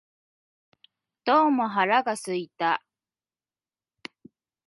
どうも腹が空いた